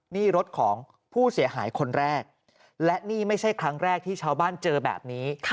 นี่รถของผู้เสียหายคนแรกและนี่ไม่ใช่ครั้งแรกที่ชาวบ้านเจอแบบนี้